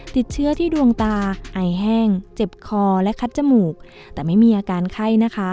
ติดเชื้อที่ดวงตาไอแห้งเจ็บคอและคัดจมูกแต่ไม่มีอาการไข้นะคะ